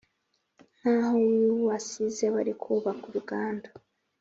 nkaho wasize bari kuhubaka uruganda